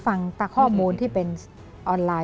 ฟังข้อมูลที่เป็นออนไลน์